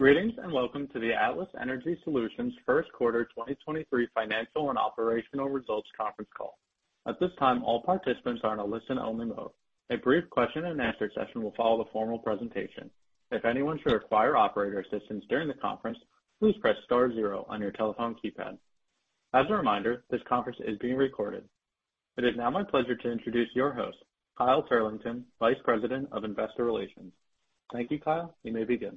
Greetings, welcome to the Atlas Energy Solutions First Quarter 2023 Financial and Operational Results Conference Call. At this time, all participants are in a listen-only mode. A brief question and answer session will follow the formal presentation. If anyone should require operator assistance during the conference, please press star zero on your telephone keypad. As a reminder, this conference is being recorded. It is now my pleasure to introduce your host, Kyle Turlington, Vice President of Investor Relations. Thank you, Kyle. You may begin.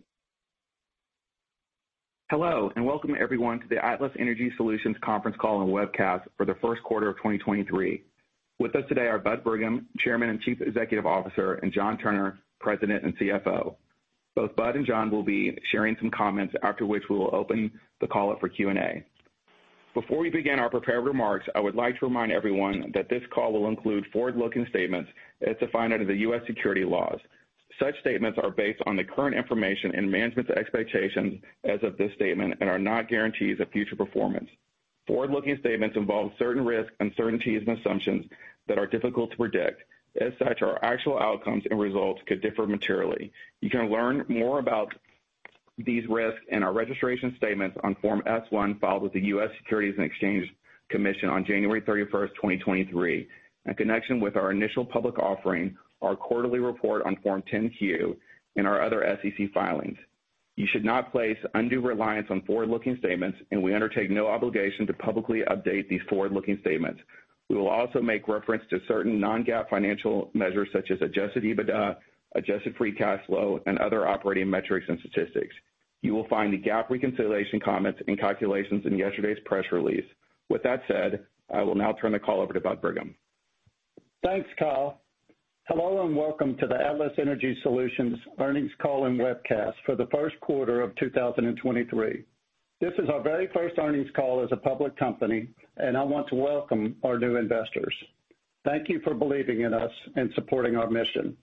Hello, and welcome everyone to the Atlas Energy Solutions Conference Call and Webcast for the First Quarter of 2023. With us today are Bud Brigham, Chairman and Chief Executive Officer, and John Turner, President and CFO. Both Bud and John will be sharing some comments after which we will open the call up for Q&A. Before we begin our prepared remarks, I would like to remind everyone that this call will include forward-looking statements as defined under the U.S. securities laws. Such statements are based on the current information and management's expectations as of this statement and are not guarantees of future performance. Forward-looking statements involve certain risks, uncertainties, and assumptions that are difficult to predict. As such, our actual outcomes and results could differ materially. You can learn more about these risks in our registration statements on Form S-1 filed with the U.S. Securities and Exchange Commission on January 31st, 2023, in connection with our initial public offering, our quarterly report on Form 10-Q and our other SEC filings. You should not place undue reliance on forward-looking statements, and we undertake no obligation to publicly update these forward-looking statements. We will also make reference to certain non-GAAP financial measures such as adjusted EBITDA, adjusted free cash flow, and other operating metrics and statistics. You will find the GAAP reconciliation comments and calculations in yesterday's press release. With that said, I will now turn the call over to Bud Brigham. Thanks, Kyle. Hello, welcome to the Atlas Energy Solutions Earnings Call and Webcast for the First Quarter of 2023. This is our very first earnings call as a public company, I want to welcome our new investors. Thank you for believing in us and supporting our mission.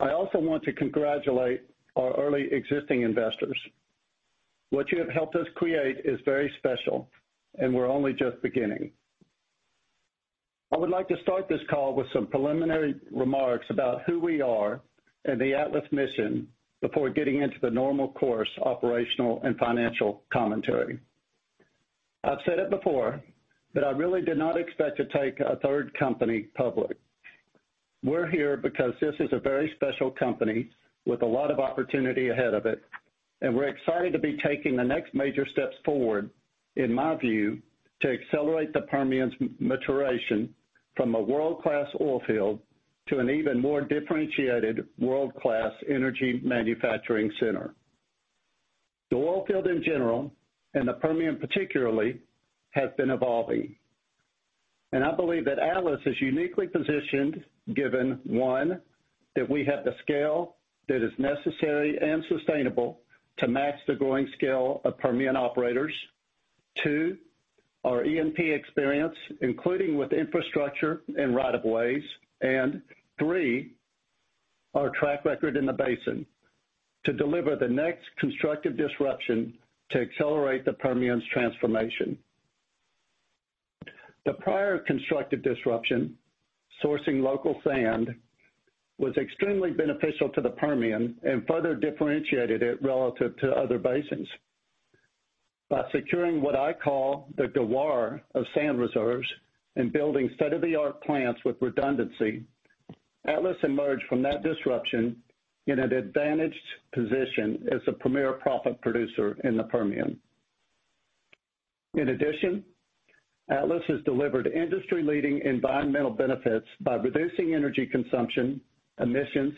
I also want to congratulate our early existing investors. What you have helped us create is very special, we're only just beginning. I would like to start this call with some preliminary remarks about who we are and the Atlas mission before getting into the normal course, operational and financial commentary. I've said it before that I really did not expect to take a third company public. We're here because this is a very special company with a lot of opportunity ahead of it. We're excited to be taking the next major steps forward, in my view, to accelerate the Permian's maturation from a world-class oil field to an even more differentiated world-class energy manufacturing center. The oil field in general, and the Permian particularly, has been evolving. I believe that Atlas is uniquely positioned, given, one, that we have the scale that is necessary and sustainable to match the growing scale of Permian operators. Two, our E&P experience, including with infrastructure and right of ways, and three, our track record in the basin to deliver the next constructive disruption to accelerate the Permian's transformation. The prior constructive disruption, sourcing local sand, was extremely beneficial to the Permian and further differentiated it relative to other basins. By securing what I call the Ghawar of sand reserves and building state-of-the-art plants with redundancy, Atlas emerged from that disruption in an advantaged position as a premier proppant producer in the Permian. In addition, Atlas has delivered industry-leading environmental benefits by reducing energy consumption, emissions,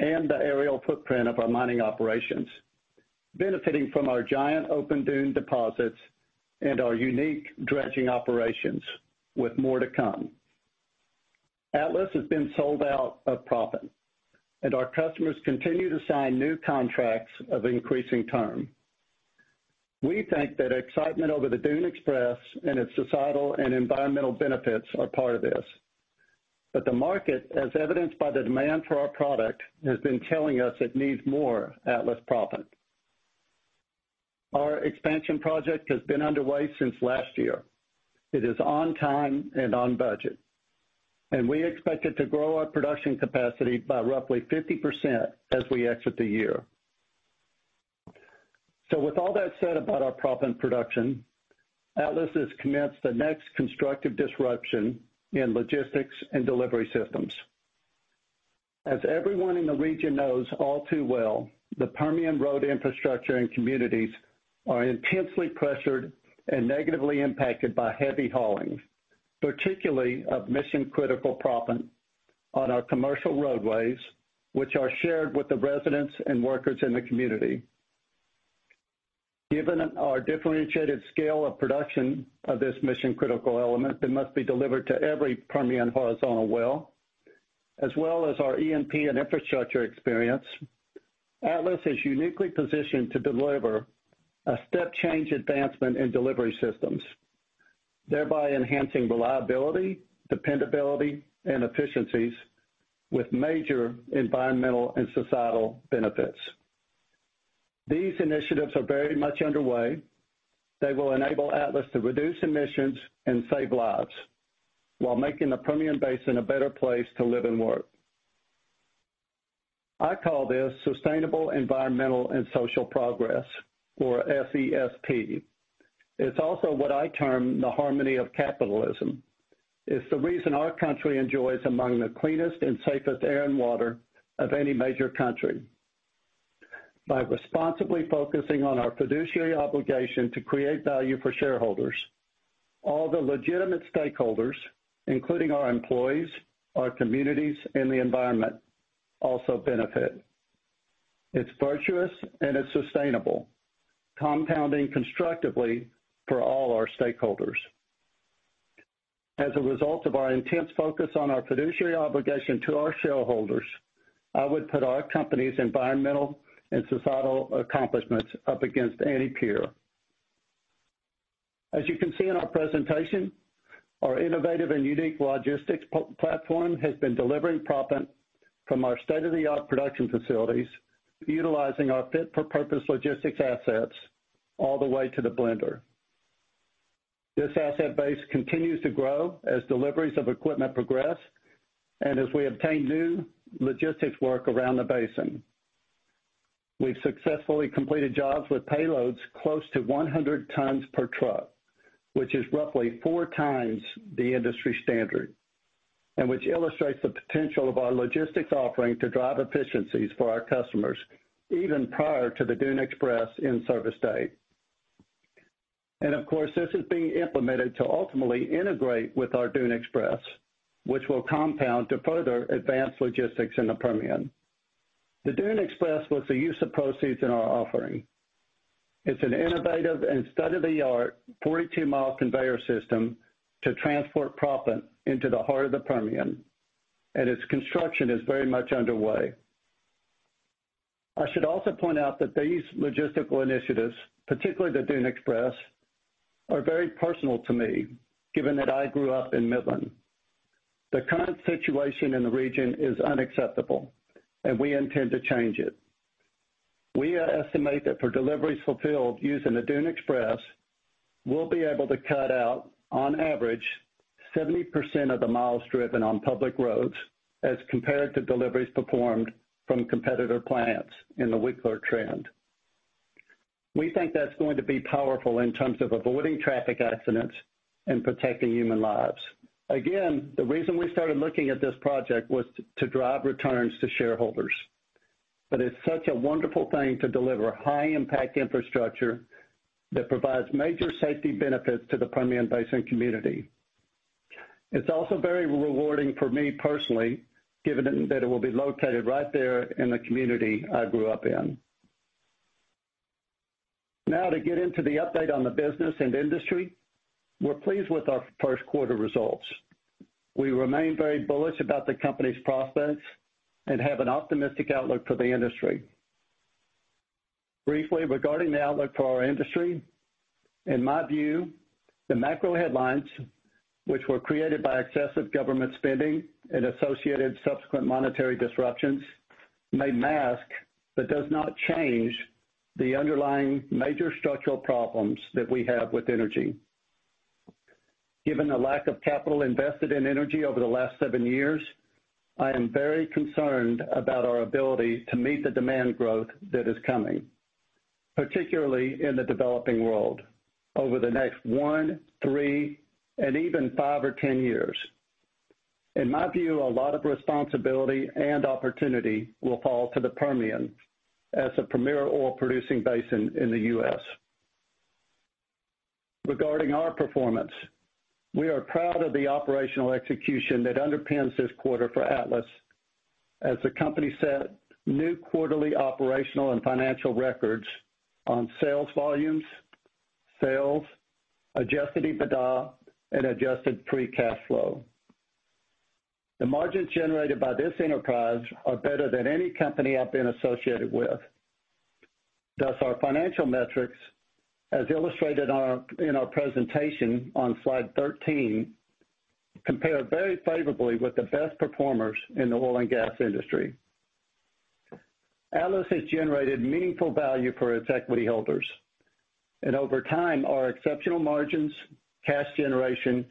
and the aerial footprint of our mining operations, benefiting from our giant open dune deposits and our unique dredging operations with more to come. Atlas has been sold out of proppant, and our customers continue to sign new contracts of increasing term. We think that excitement over the Dune Express and its societal and environmental benefits are part of this. The market, as evidenced by the demand for our product, has been telling us it needs more Atlas proppant. Our expansion project has been underway since last year. It is on time and on budget. We expect it to grow our production capacity by roughly 50% as we exit the year. With all that said about our proppant production, Atlas has commenced the next constructive disruption in logistics and delivery systems. As everyone in the region knows all too well, the Permian road infrastructure and communities are intensely pressured and negatively impacted by heavy hauling, particularly of mission-critical proppant on our commercial roadways, which are shared with the residents and workers in the community. Given our differentiated scale of production of this mission-critical element that must be delivered to every Permian horizontal well, as well as our E&P and infrastructure experience, Atlas is uniquely positioned to deliver a step change advancement in delivery systems, thereby enhancing reliability, dependability, and efficiencies with major environmental and societal benefits. These initiatives are very much underway. They will enable Atlas to reduce emissions and save lives while making the Permian Basin a better place to live and work. I call this sustainable, environmental, and social progress, or SESP. It's also what I term the harmony of capitalism. It's the reason our country enjoys among the cleanest and safest air and water of any major country. By responsibly focusing on our fiduciary obligation to create value for shareholders, all the legitimate stakeholders, including our employees, our communities, and the environment, also benefit. It's virtuous and it's sustainable, compounding constructively for all our stakeholders. As a result of our intense focus on our fiduciary obligation to our shareholders, I would put our company's environmental and societal accomplishments up against any peer. As you can see in our presentation, our innovative and unique logistics platform has been delivering proppant from our state-of-the-art production facilities, utilizing our fit-for-purpose logistics assets all the way to the blender. This asset base continues to grow as deliveries of equipment progress and as we obtain new logistics work around the basin. We've successfully completed jobs with payloads close to 100 tons per truck, which is roughly 4x the industry standard, and which illustrates the potential of our logistics offering to drive efficiencies for our customers even prior to the Dune Express in-service date. Of course, this is being implemented to ultimately integrate with our Dune Express, which will compound to further advance logistics in the Permian. The Dune Express was the use of proceeds in our offering. It's an innovative and state-of-the-art 42-mile conveyor system to transport proppant into the heart of the Permian. Its construction is very much underway. I should also point out that these logistical initiatives, particularly the Dune Express, are very personal to me, given that I grew up in Midland. The current situation in the region is unacceptable. We intend to change it. We estimate that for deliveries fulfilled using the Dune Express, we'll be able to cut out, on average, 70% of the miles driven on public roads as compared to deliveries performed from competitor plants in the Wickett trend. We think that's going to be powerful in terms of avoiding traffic accidents and protecting human lives. Again, the reason we started looking at this project was to drive returns to shareholders. It's such a wonderful thing to deliver high-impact infrastructure that provides major safety benefits to the Permian Basin community. It's also very rewarding for me personally, given that it will be located right there in the community I grew up in. To get into the update on the business and industry, we're pleased with our first quarter results. We remain very bullish about the company's prospects and have an optimistic outlook for the industry. Briefly regarding the outlook for our industry, in my view, the macro headlines, which were created by excessive government spending and associated subsequent monetary disruptions, may mask but does not change the underlying major structural problems that we have with energy. Given the lack of capital invested in energy over the last seven years, I am very concerned about our ability to meet the demand growth that is coming, particularly in the developing world, over the next one, three, and even five or 10 years. In my view, a lot of responsibility and opportunity will fall to the Permian as a premier oil-producing basin in the U.S.. Regarding our performance, we are proud of the operational execution that underpins this quarter for Atlas as the company set new quarterly operational and financial records on sales volumes, sales, adjusted EBITDA, and adjusted free cash flow. The margins generated by this enterprise are better than any company I've been associated with. Our financial metrics, as illustrated in our presentation on slide 13, compare very favorably with the best performers in the oil and gas industry. Atlas has generated meaningful value for its equity holders. Over time, our exceptional margins, cash generation,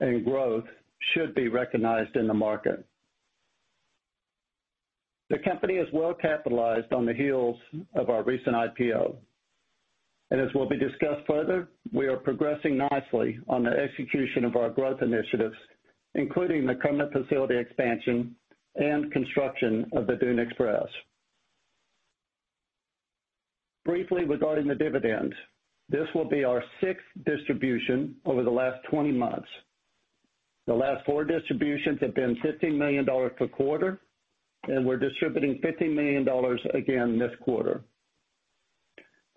and growth should be recognized in the market. The company is well capitalized on the heels of our recent IPO. As will be discussed further, we are progressing nicely on the execution of our growth initiatives, including the Kermit facility expansion and construction of the Dune Express. Briefly regarding the dividend, this will be our sixth distribution over the last 20 months. The last four distributions have been $50 million per quarter, and we're distributing $50 million again this quarter.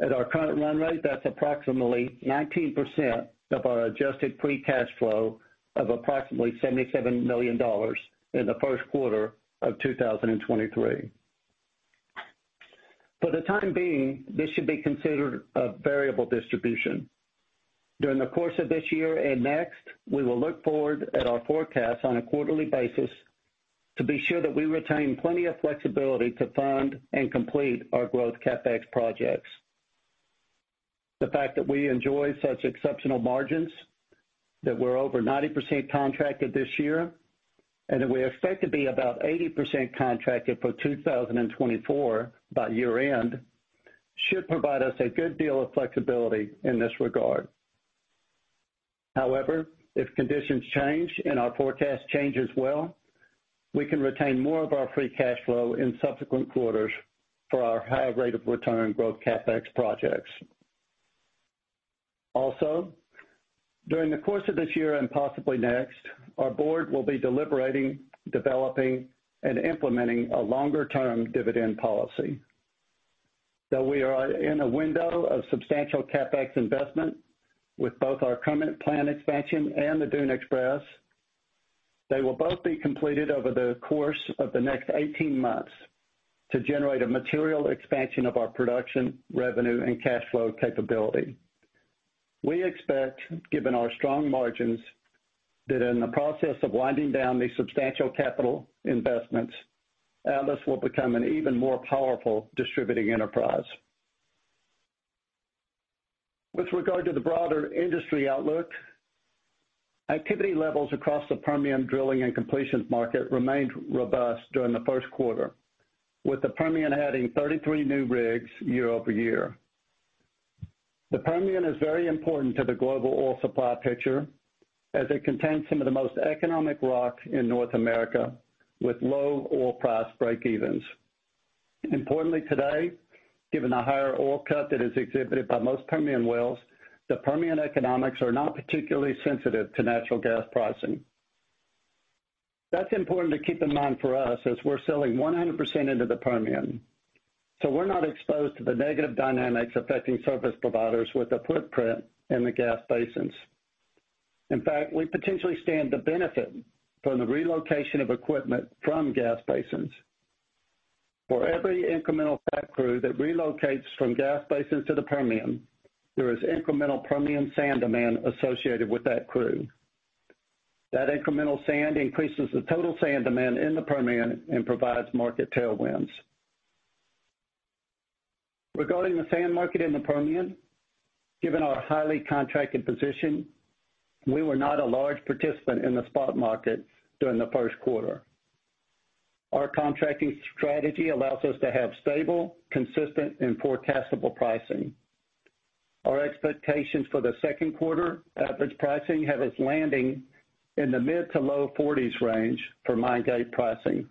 At our current run rate, that's approximately 19% of our adjusted free cash flow of approximately $77 million in the first quarter of 2023. For the time being, this should be considered a variable distribution. During the course of this year and next, we will look forward at our forecasts on a quarterly basis to be sure that we retain plenty of flexibility to fund and complete our growth CapEx projects. The fact that we enjoy such exceptional margins, that we're over 90% contracted this year, and that we expect to be about 80% contracted for 2024 by year-end, should provide us a good deal of flexibility in this regard. If conditions change and our forecast change as well, we can retain more of our free cash flow in subsequent quarters for our higher rate of return growth CapEx projects. During the course of this year and possibly next, our board will be deliberating, developing, and implementing a longer-term dividend policy. We are in a window of substantial CapEx investment with both our current plan expansion and the Dune Express, they will both be completed over the course of the next 18 months to generate a material expansion of our production, revenue, and cash flow capability. We expect, given our strong margins, that in the process of winding down these substantial capital investments, Atlas will become an even more powerful distributing enterprise. With regard to the broader industry outlook, activity levels across the Permian drilling and completions market remained robust during the first quarter, with the Permian adding 33 new rigs year-over-year. The Permian is very important to the global oil supply picture as it contains some of the most economic rock in North America with low oil price breakevens. Importantly today, given the higher oil cut that is exhibited by most Permian wells, the Permian economics are not particularly sensitive to natural gas pricing. That's important to keep in mind for us as we're selling 100% into the Permian. We're not exposed to the negative dynamics affecting service providers with a footprint in the gas basins. In fact, we potentially stand to benefit from the relocation of equipment from gas basins. For every incremental frac crew that relocates from gas basins to the Permian, there is incremental Permian sand demand associated with that crew. That incremental sand increases the total sand demand in the Permian and provides market tailwinds. Regarding the sand market in the Permian, given our highly contracted position, we were not a large participant in the spot market during the first quarter. Our contracting strategy allows us to have stable, consistent, and forecastable pricing. Our expectations for the second quarter average pricing have us landing in the mid to low $40s range for mine gate pricing,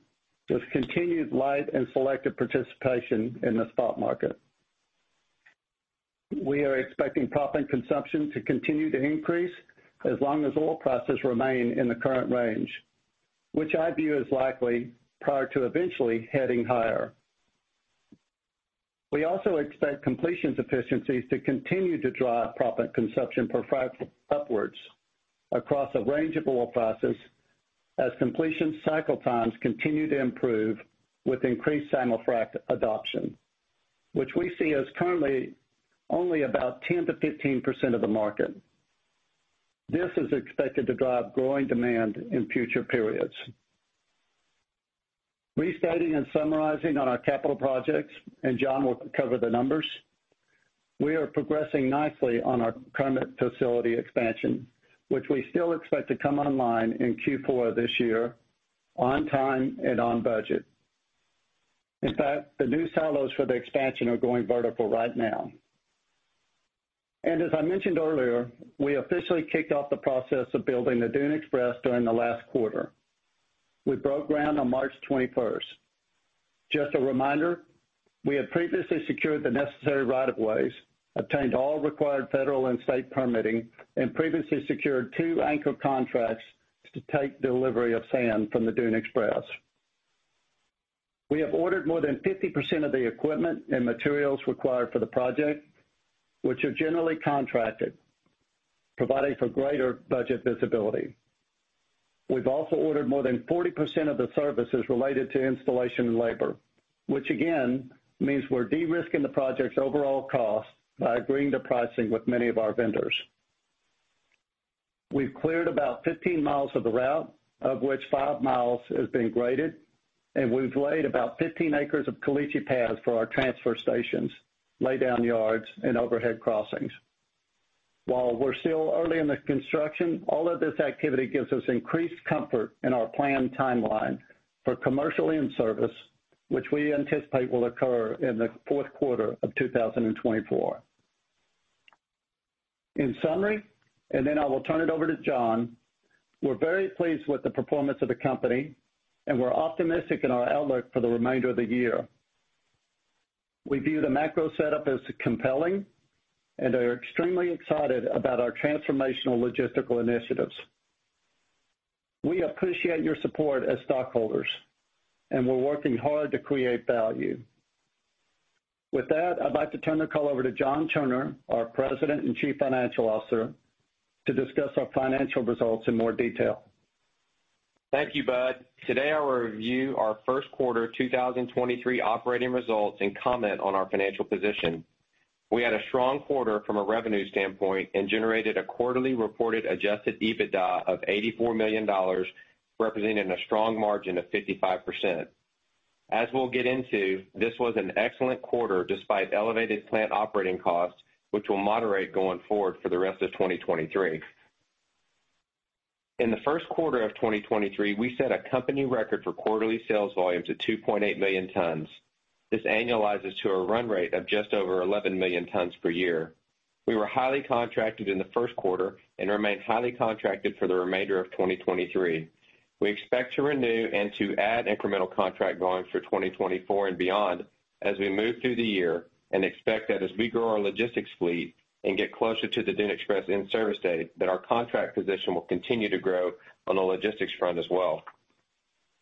with continued light and selective participation in the spot market. We are expecting proppant consumption to continue to increase as long as oil prices remain in the current range, which I view as likely prior to eventually heading higher. We also expect completions efficiencies to continue to drive proppant consumption profile upwards across a range of oil prices as completion cycle times continue to improve with increased simul-frac adoption, which we see as currently only about 10%-15% of the market. This is expected to drive growing demand in future periods. Restating and summarizing on our capital projects, John will cover the numbers, we are progressing nicely on our current facility expansion, which we still expect to come online in Q4 this year on time and on budget. In fact, the new silos for the expansion are going vertical right now. As I mentioned earlier, we officially kicked off the process of building the Dune Express during the last quarter. We broke ground on March 21st. Just a reminder, we have previously secured the necessary right of ways, obtained all required federal and state permitting, and previously secured two anchor contracts to take delivery of sand from the Dune Express. We have ordered more than 50% of the equipment and materials required for the project, which are generally contracted, providing for greater budget visibility. We've also ordered more than 40% of the services related to installation and labor, which again means we're de-risking the project's overall cost by agreeing to pricing with many of our vendors. We've cleared about 15 mi of the route, of which 5 mi has been graded, and we've laid about 15 acres of caliche pads for our transfer stations, laydown yards, and overhead crossings. While we're still early in the construction, all of this activity gives us increased comfort in our planned timeline for commercial in-service, which we anticipate will occur in the fourth quarter of 2024. In summary, I will turn it over to John, we're very pleased with the performance of the company, and we're optimistic in our outlook for the remainder of the year. We view the macro setup as compelling and are extremely excited about our transformational logistical initiatives. We appreciate your support as stockholders, and we're working hard to create value. With that, I'd like to turn the call over to John Turner, our President and Chief Financial Officer, to discuss our financial results in more detail. Thank you, Bud. Today, I'll review our first quarter 2023 operating results and comment on our financial position. We had a strong quarter from a revenue standpoint and generated a quarterly reported adjusted EBITDA of $84 million, representing a strong margin of 55%. As we'll get into, this was an excellent quarter despite elevated plant operating costs, which will moderate going forward for the rest of 2023. In the first quarter of 2023, we set a company record for quarterly sales volumes at 2.8 million tons. This annualizes to a run rate of just over 11 million tons per year. We were highly contracted in the first quarter and remain highly contracted for the remainder of 2023. We expect to renew and to add incremental contract volumes for 2024 and beyond as we move through the year, and expect that as we grow our logistics fleet and get closer to the Dune Express in-service date, that our contract position will continue to grow on the logistics front as well.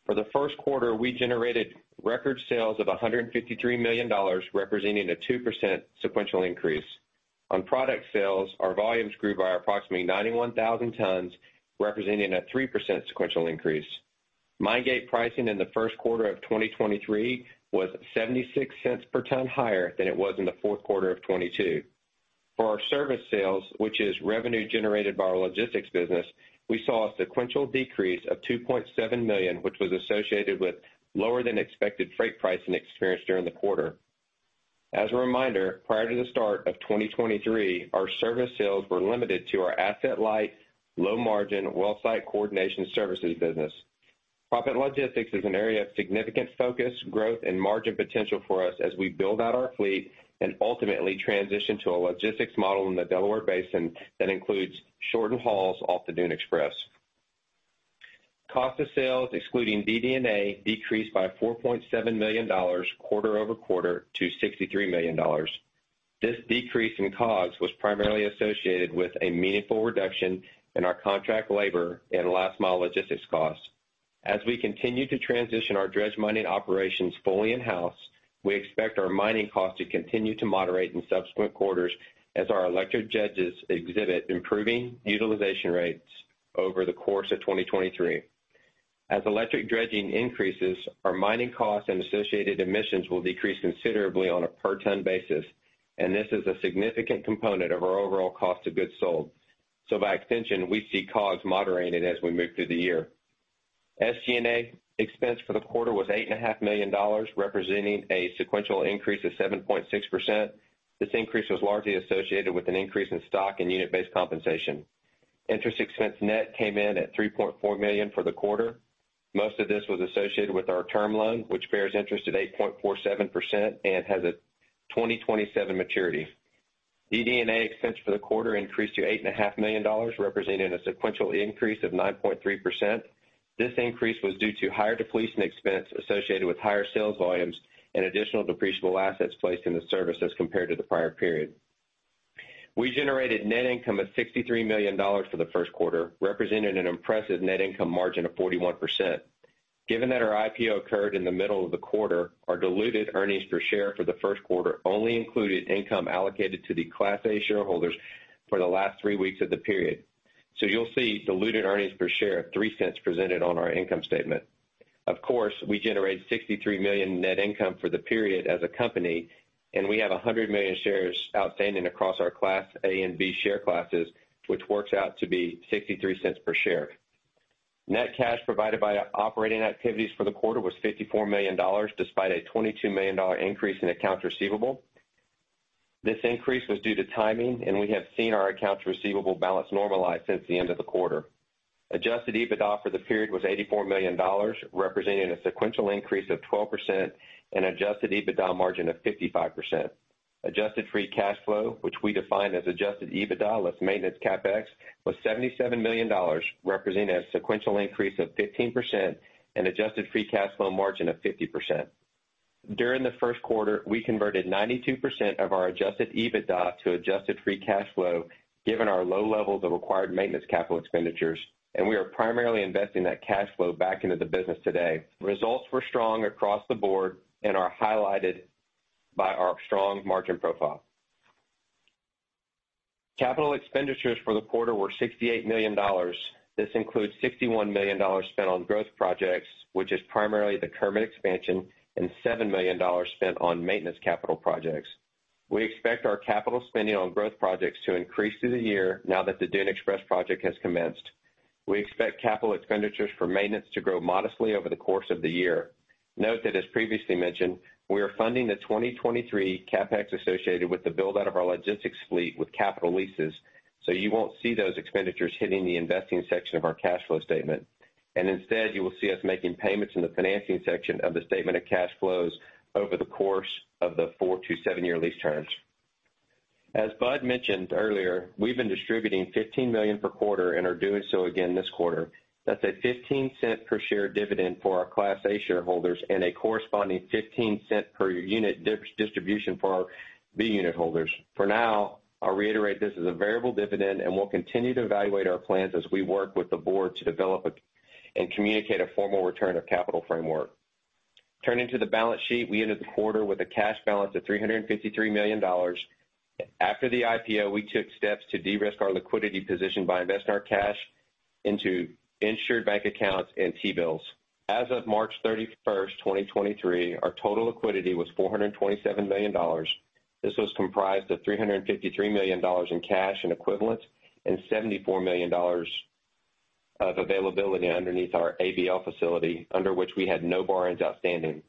For the first quarter, we generated record sales of $153 million, representing a 2% sequential increase. On product sales, our volumes grew by approximately 91,000 tons, representing a 3% sequential increase. Mine gate pricing in the first quarter of 2023 was $0.76 per ton higher than it was in the fourth quarter of 2022. For our service sales, which is revenue generated by our logistics business, we saw a sequential decrease of $2.7 million, which was associated with lower than expected freight pricing experienced during the quarter. As a reminder, prior to the start of 2023, our service sales were limited to our asset light, low margin, well site coordination services business. Profit logistics is an area of significant focus, growth and margin potential for us as we build out our fleet and ultimately transition to a logistics model in the Delaware Basin that includes shorter hauls off the Dune Express. Cost of sales, excluding DD&A, decreased by $4.7 million quarter-over-quarter to $63 million. This decrease in COGS was primarily associated with a meaningful reduction in our contract labor and last mile logistics costs. As we continue to transition our dredge mining operations fully in-house, we expect our mining costs to continue to moderate in subsequent quarters as our electric dredges exhibit improving utilization rates over the course of 2023. As electric dredging increases, our mining costs and associated emissions will decrease considerably on a per ton basis. This is a significant component of our overall cost of goods sold. By extension, we see COGS moderated as we move through the year. SG&A expense for the quarter was eight and a half million dollars, representing a sequential increase of 7.6%. This increase was largely associated with an increase in stock and unit-based compensation. Interest expense net came in at $3.4 million for the quarter. Most of this was associated with our term loan, which bears interest at 8.47% and has a 2027 maturity. DD&A expense for the quarter increased to eight and a half million dollars, representing a sequential increase of 9.3%. This increase was due to higher depletion expense associated with higher sales volumes and additional depreciable assets placed in the service as compared to the prior period. We generated net income of $63 million for the first quarter, representing an impressive net income margin of 41%. Given that our IPO occurred in the middle of the quarter, our diluted earnings per share for the first quarter only included income allocated to the Class A shareholders for the last three weeks of the period. You'll see diluted earnings per share of $0.03 presented on our income statement. We generate $63 million in net income for the period as a company. We have 100 million shares outstanding across our Class A and B share classes, which works out to be $0.63 per share. Net cash provided by operating activities for the quarter was $54 million, despite a $22 million increase in accounts receivable. This increase was due to timing. We have seen our accounts receivable balance normalize since the end of the quarter. adjusted EBITDA for the period was $84 million, representing a sequential increase of 12% and adjusted EBITDA margin of 55%. adjusted free cash flow, which we define as adjusted EBITDA less maintenance CapEx, was $77 million, representing a sequential increase of 15% and adjusted free cash flow margin of 50%. During the first quarter, we converted 92% of our adjusted EBITDA to adjusted free cash flow, given our low levels of required maintenance capital expenditures, and we are primarily investing that cash flow back into the business today. Results were strong across the board and are highlighted by our strong margin profile. Capital expenditures for the quarter were $68 million. This includes $61 million spent on growth projects, which is primarily the Kermit expansion, and $7 million spent on maintenance capital projects. We expect our capital spending on growth projects to increase through the year now that the Dune Express project has commenced. We expect capital expenditures for maintenance to grow modestly over the course of the year. Note that as previously mentioned, we are funding the 2023 CapEx associated with the build-out of our logistics fleet with capital leases, so you won't see those expenditures hitting the investing section of our cash flow statement. Instead, you will see us making payments in the financing section of the statement of cash flows over the course of the four-seven year lease terms. As Bud mentioned earlier, we've been distributing $15 million per quarter and are doing so again this quarter. That's a $0.15 per share dividend for our Class A shareholders and a corresponding $0.15 per unit distribution for our Class B unit holders. For now, I'll reiterate this is a variable dividend, and we'll continue to evaluate our plans as we work with the board to develop and communicate a formal return of capital framework. Turning to the balance sheet, we ended the quarter with a cash balance of $353 million. After the IPO, we took steps to de-risk our liquidity position by investing our cash into insured bank accounts and T-bills. As of March 31st, 2023, our total liquidity was $427 million. This was comprised of $353 million in cash and equivalents and $74 million of availability underneath our ABL facility, under which we had no borrowings outstanding.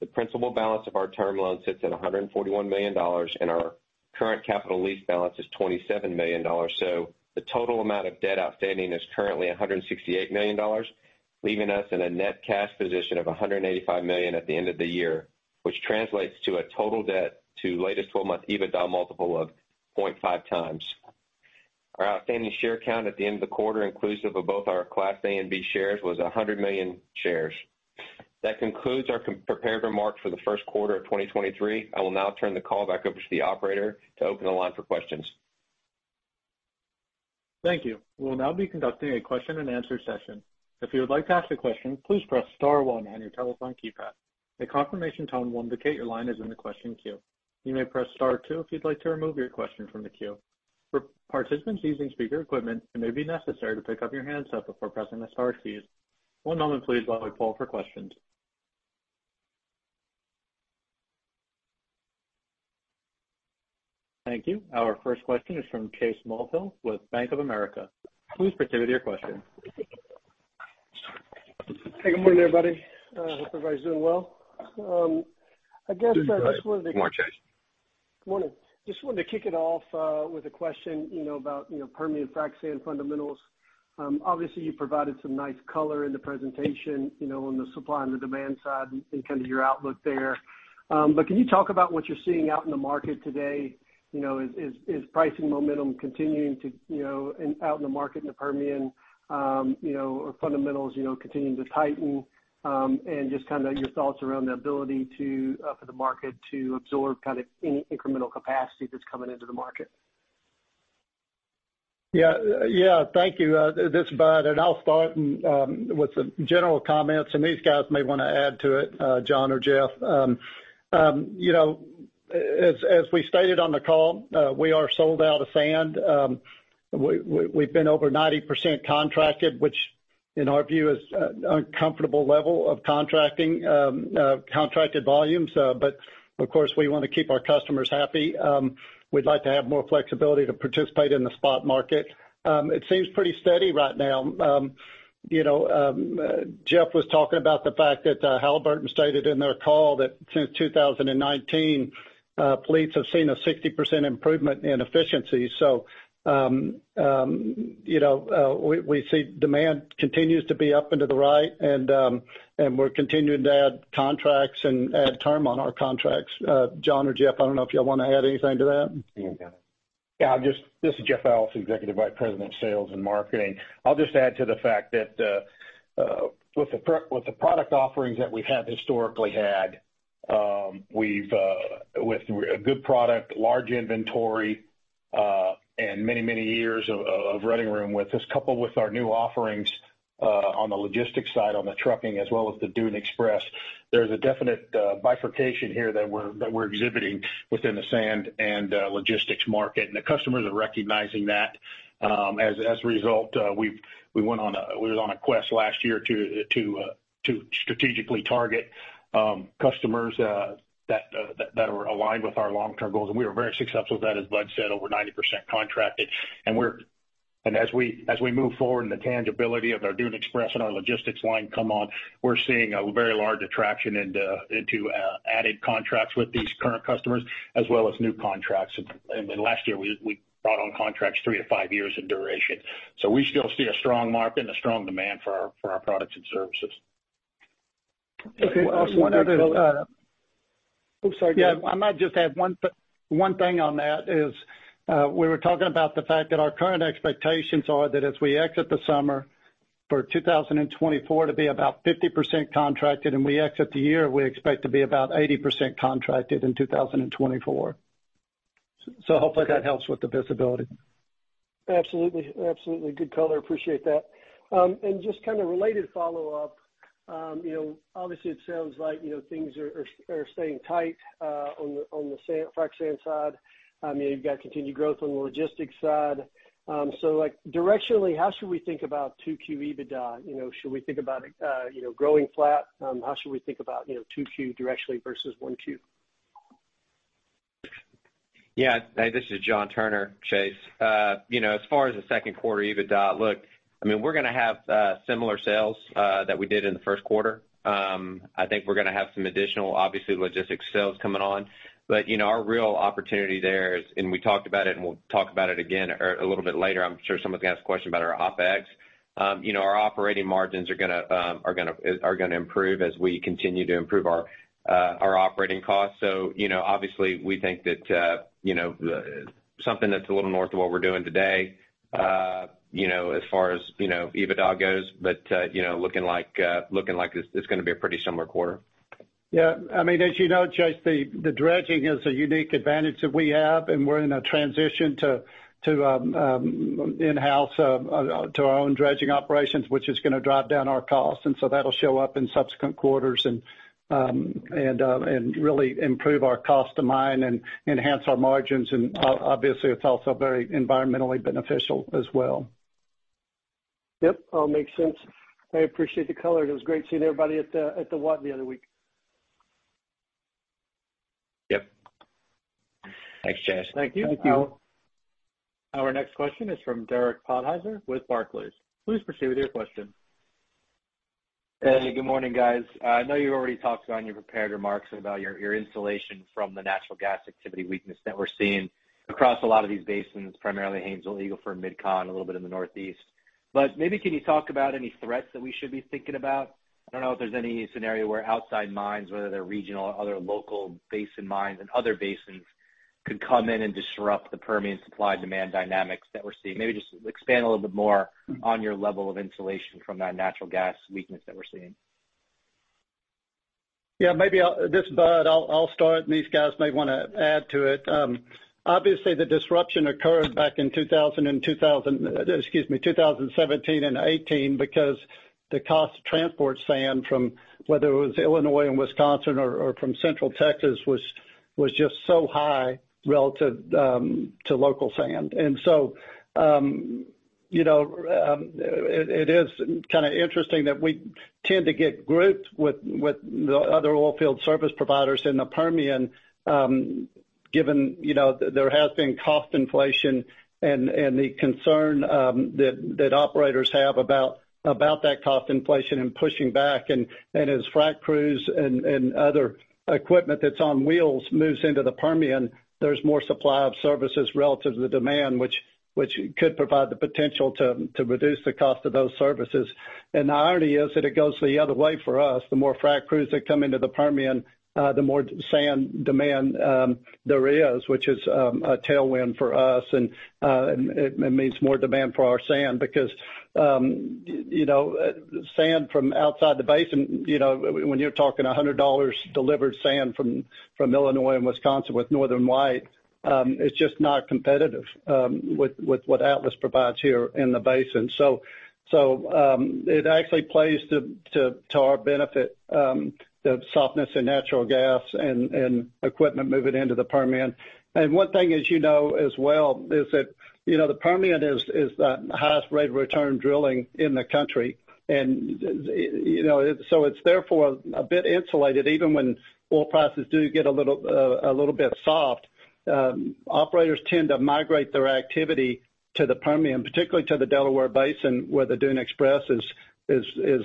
The principal balance of our term loan sits at $141 million, and our current capital lease balance is $27 million. The total amount of debt outstanding is currently $168 million, leaving us in a net cash position of $185 million at the end of the year, which translates to a total debt to latest twelve-month EBITDA multiple of 0.5x. Our outstanding share count at the end of the quarter, inclusive of both our Class A and Class B shares, was 100 million shares. That concludes our prepared remarks for the first quarter of 2023. I will now turn the call back over to the operator to open the line for questions. Thank you. We'll now be conducting a question and answer session. If you would like to ask a question, please press star one on your telephone keypad. A confirmation tone will indicate your line is in the question queue. You may press star two if you'd like to remove your question from the queue. For participants using speaker equipment, it may be necessary to pick up your handset before pressing the star keys. One moment please, while we poll for questions. Thank you. Our first question is from Chase Mulvehill with Bank of America. Please proceed with your question. Hey, good morning, everybody. Hope everybody's doing well. Good morning, Chase. Good morning. Just wanted to kick it off with a question, you know, about, you know, Permian frac sand fundamentals. Obviously, you provided some nice color in the presentation, you know, on the supply and the demand side and kind of your outlook there. Can you talk about what you're seeing out in the market today? You know, is pricing momentum continuing to, you know, and out in the market in the Permian, you know, are fundamentals, you know, continuing to tighten? Just kinda your thoughts around the ability to for the market to absorb kinda any incremental capacity that's coming into the market. Yeah. Yeah. Thank you. This is Bud, I'll start with the general comments, these guys may wanna add to it, John or Jeff. You know, as we stated on the call, we are sold out of sand. We've been over 90% contracted, which in our view is a comfortable level of contracting, contracted volumes. Of course, we wanna keep our customers happy. We'd like to have more flexibility to participate in the spot market. It seems pretty steady right now. You know, Jeff was talking about the fact that Halliburton stated in their call that since 2019, fleets have seen a 60% improvement in efficiency. You know, we see demand continues to be up into the right and we're continuing to add contracts and add term on our contracts. John or Jeff, I don't know if y'all wanna add anything to that. Yeah. Yeah, I'll just This is Jeff Allison, Executive Vice President of Sales and Marketing. I'll just add to the fact that with the product offerings that we have historically had, we've with a good product, large inventory, and many, many years of running room with this, coupled with our new offerings on the logistics side, on the trucking, as well as the Dune Express, there's a definite bifurcation here that we're exhibiting within the sand and logistics market. The customers are recognizing that. As a result, we went on a quest last year to strategically target customers that are aligned with our long-term goals. We were very successful with that. As Bud said, over 90% contracted. As we move forward and the tangibility of our Dune Express and our logistics line come on, we're seeing a very large attraction into added contracts with these current customers as well as new contracts. Last year, we brought on contracts three-five years in duration. We still see a strong market and a strong demand for our products and services. Okay. Also, one other, - Great color. Oops, sorry, go ahead. Yeah. I might just add one thing on that is, we were talking about the fact that our current expectations are that as we exit the summer, for 2024 to be about 50% contracted, and we exit the year, we expect to be about 80% contracted in 2024. Hopefully that helps with the visibility. Absolutely. Absolutely. Good color. Appreciate that. Just kinda related follow-up, you know, obviously, it sounds like, you know, things are staying tight on the frac sand side. You've got continued growth on the logistics side. Like, directionally, how should we think about 2Q EBITDA? You know, should we think about, you know, growing flat? How should we think about, you know, 2Q directionally versus 1Q? Yeah. Hey, this is John Turner, Chase. You know, as far as the second quarter EBITDA, look, I mean, we're gonna have similar sales that we did in the first quarter. I think we're gonna have some additional, obviously, logistics sales coming on. You know, our real opportunity there is, and we talked about it and we'll talk about it again or a little bit later, I'm sure someone's gonna ask a question about our OpEx. You know, our operating margins are gonna improve as we continue to improve our operating costs. you know, obviously, we think that, you know, something that's a little north of what we're doing today, you know, as far as, you know, EBITDA goes, but, you know, looking like, looking like it's gonna be a pretty similar quarter. Yeah. I mean, as you know, Chase, the dredging is a unique advantage that we have, and we're in a transition to in-house to our own dredging operations, which is going to drive down our costs. So that'll show up in subsequent quarters and really improve our cost of mining and enhance our margins. Obviously, it's also very environmentally beneficial as well. Yep. All makes sense. I appreciate the color. It was great seeing everybody at the WOTT the other week. Yep. Thanks, Chase. Thank you. Thank you. Our next question is from Derek Podhaizer with Barclays. Please proceed with your question. Hey, good morning, guys. I know you already talked on your prepared remarks about your insulation from the natural gas activity weakness that we're seeing across a lot of these basins, primarily Haynesville, Eagle Ford, MidCon, a little bit in the Northeast. Maybe can you talk about any threats that we should be thinking about? I don't know if there's any scenario where outside mines, whether they're regional or other local basin mines and other basins could come in and disrupt the Permian supply demand dynamics that we're seeing. Maybe just expand a little bit more on your level of insulation from that natural gas weakness that we're seeing. Yeah, maybe I'll. This is Bud. I'll start, and these guys may wanna add to it. Obviously the disruption occurred back in 2017 and 2018 because the cost to transport sand from whether it was Illinois and Wisconsin or from Central Texas was just so high relative to local sand. you know, it is kinda interesting that we tend to get grouped with the other oilfield service providers in the Permian, given, you know, there has been cost inflation and the concern that operators have about that cost inflation and pushing back. As frac crews and other equipment that's on wheels moves into the Permian, there's more supply of services relative to the demand, which could provide the potential to reduce the cost of those services. The irony is that it goes the other way for us. The more frac crews that come into the Permian, the more sand demand there is, which is a tailwind for us. It means more demand for our sand because, you know, sand from outside the basin, you know, when you're talking $100 delivered sand from Illinois and Wisconsin with Northern White, is just not competitive with what Atlas provides here in the basin. It actually plays to our benefit, the softness in natural gas and equipment moving into the Permian. One thing, as you know as well, is that, you know, the Permian is the highest rate of return drilling in the country. You know, it's therefore a bit insulated even when oil prices do get a little bit soft. Operators tend to migrate their activity to the Permian, particularly to the Delaware Basin, where the Dune Express is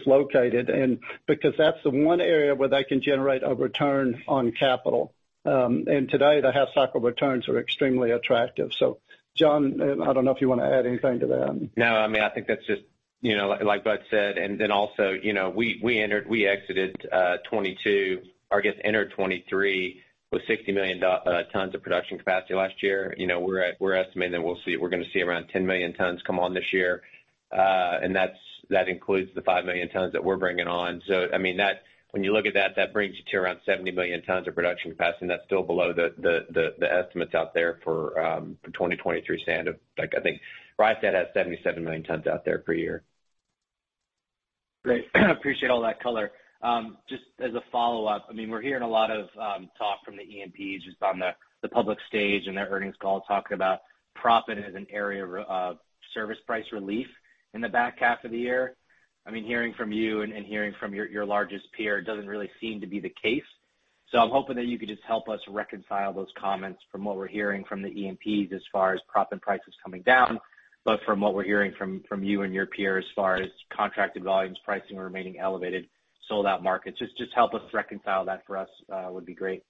located. Because that's the one area where they can generate a return on capital. Today, the half-cycle returns are extremely attractive. John, I don't know if you wanna add anything to that. No, I mean, I think that's just, you know, like Bud said, and then also, you know, we entered, we exited 2022, or I guess entered 2023 with 60 million tons of production capacity last year. You know, we're estimating that we're gonna see around 10 million tons come on this year. That's, that includes the 5 million tons that we're bringing on. I mean, when you look at that brings you to around 70 million tons of production capacity, and that's still below the, the estimates out there for 2023 sand of, like, I think Rystad has 77 million tons out there per year. Great. Appreciate all that color. Just as a follow-up, I mean, we're hearing a lot of talk from the E&Ps just on the public stage and their earnings call talking about proppant as an area of service price relief in the back half of the year. I mean, hearing from you and hearing from your largest peer, it doesn't really seem to be the case. I'm hoping that you could just help us reconcile those comments from what we're hearing from the E&Ps as far as proppant prices coming down, but from what we're hearing from you and your peers as far as contracted volumes, pricing remaining elevated, sold out markets. Just help us reconcile that for us, would be great.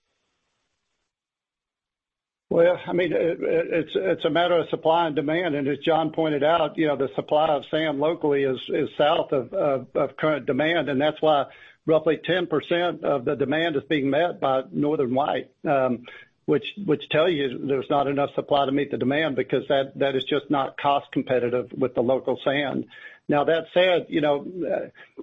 Well, I mean, it's a matter of supply and demand. As John pointed out, you know, the supply of sand locally is south of current demand, and that's why roughly 10% of the demand is being met by Northern White, which tells you there's not enough supply to meet the demand because that is just not cost competitive with the local sand. Now, that said, you know,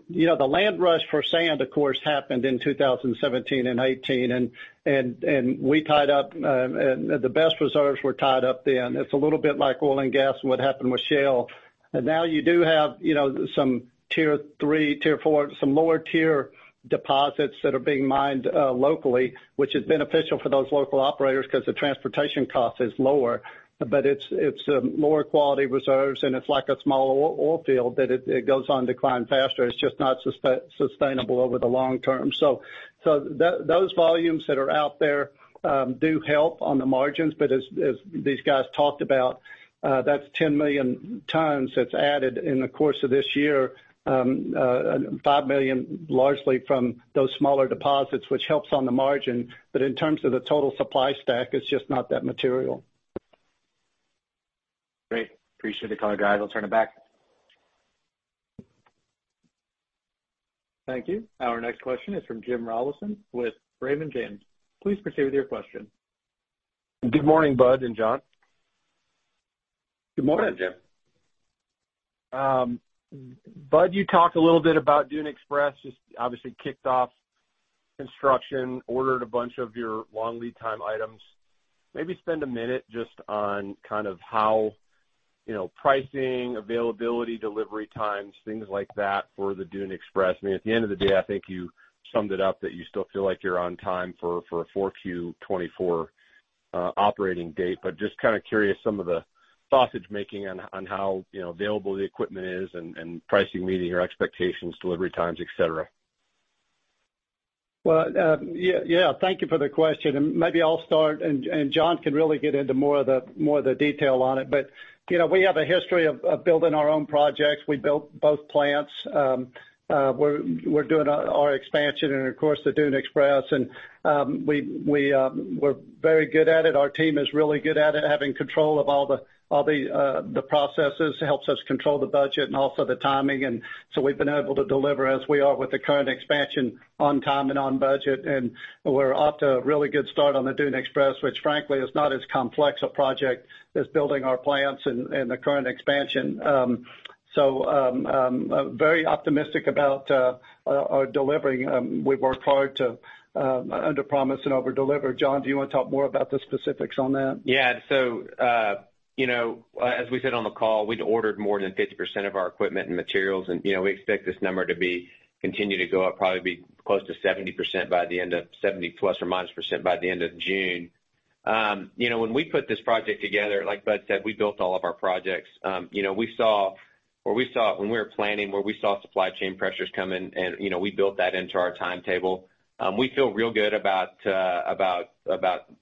you know, the land rush for sand, of course, happened in 2017 and 2018, and we tied up the best reserves were tied up then. It's a little bit like oil and gas and what happened with shale. Now you do have, you know, some tier three, tier four, some lower tier deposits that are being mined locally, which is beneficial for those local operators 'cause the transportation cost is lower. It's lower quality reserves, and it's like a small oil field that it goes on decline faster. It's just not sustainable over the long term. Those volumes that are out there do help on the margins, but as these guys talked about, that's 10 million tons that's added in the course of this year, 5 million largely from those smaller deposits, which helps on the margin. In terms of the total supply stack, it's just not that material. Great. Appreciate the color, guys. I'll turn it back. Thank you. Our next question is from Jim Rollyson with Raymond James. Please proceed with your question. Good morning, Bud and John. Good morning, Jim. Bud, you talked a little bit about Dune Express, just obviously kicked off construction, ordered a bunch of your long lead time items. Maybe spend a minute just on kind of how, you know, pricing, availability, delivery times, things like that for the Dune Express. I mean, at the end of the day, I think you summed it up that you still feel like you're on time for a 4Q 2024 operating date. Just kinda curious some of the sausage making on how, you know, available the equipment is and pricing meeting your expectations, delivery times, et cetera. Well, yeah. Thank you for the question, and maybe I'll start and John can really get into more of the detail on it. You know, we have a history of building our own projects. We built both plants. We're doing our expansion and of course the Dune Express. We're very good at it. Our team is really good at it. Having control of all the processes helps us control the budget and also the timing. We've been able to deliver as we are with the current expansion on time and on budget. We're off to a really good start on the Dune Express, which frankly is not as complex a project as building our plants and the current expansion. Very optimistic about delivering. We've worked hard to under promise and over deliver. John, do you want to talk more about the specifics on that? You know, as we said on the call, we'd ordered more than 50% of our equipment and materials. You know, we expect this number to continue to go up, probably be close to 70% plus or minus by the end of June. You know, when we put this project together, like Bud said, we built all of our projects. You know, where we saw it when we were planning, where we saw supply chain pressures coming, you know, we built that into our timetable. We feel real good about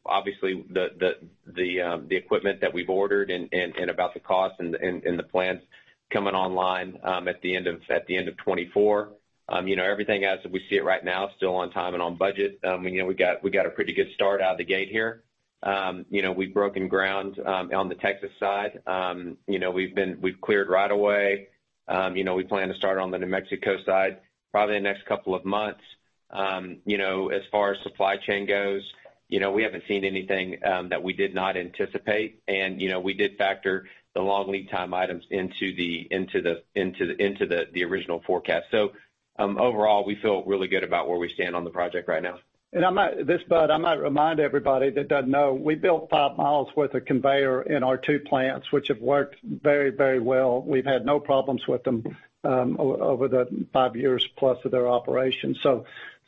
obviously the equipment that we've ordered and about the cost and the plans coming online at the end of 2024. You know, everything as we see it right now, still on time and on budget. You know, we got a pretty good start out of the gate here. You know, we've broken ground on the Texas side. You know, we've cleared right away. You know, we plan to start on the New Mexico side probably in the next couple of months. You know, as far as supply chain goes, you know, we haven't seen anything that we did not anticipate. You know, we did factor the long lead time items into the original forecast. Overall, we feel really good about where we stand on the project right now. I might this, Bud, I might remind everybody that doesn't know. We built 5 mi worth of conveyor in our two plants, which have worked very, very well. We've had no problems with them over the five years plus of their operations.